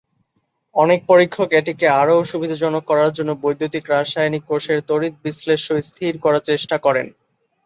অনেক পরীক্ষক এটিকে আরও সুবিধাজনক করার জন্য বৈদ্যুতিক-রাসায়নিক কোষের তড়িৎবিশ্লেষ্য স্থির করার চেষ্টা করেন।